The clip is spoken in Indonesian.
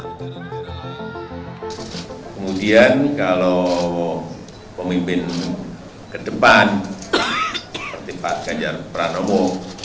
kemudian kalau pemimpin ke depan seperti pak ganjar pranowo